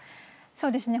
そうですね